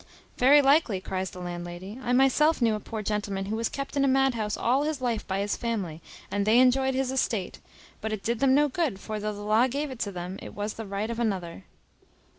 "Very likely!" cries the landlady. "I myself knew a poor gentleman who was kept in a mad house all his life by his family, and they enjoyed his estate, but it did them no good; for though the law gave it them, it was the right of another."